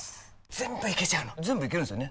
全部いけちゃうの全部いけるんですよね？